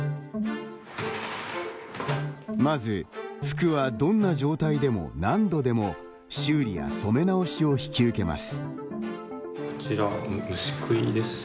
まず、服はどんな状態でも何度でも修理や染め直しを引き受けます。